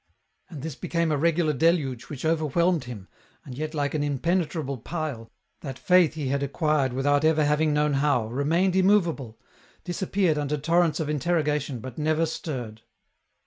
And this became a regular deluge which overwhelmed him, and yet like an impenetrable pile, that Faith he had acquired without ever having known how, remained immovable, disappeared under torrents of interrogation, but never stirred.